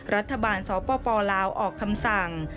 รัฐบาลสปลาวออกคำสั่ง